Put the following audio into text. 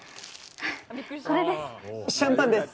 これです。